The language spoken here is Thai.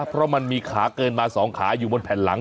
เพราะมันมีขาเกินมา๒ขาอยู่บนแผ่นหลัง